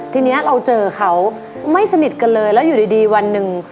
ทีนี้เราเจอเขาไม่สนิทกันเลยแล้วอยู่ดีวันหนึ่ง